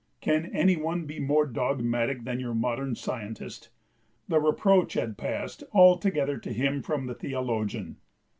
Can any one be more dogmatic than your modern scientist? The reproach has passed altogether to him from the theologian.